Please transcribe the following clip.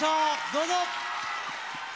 どうぞ。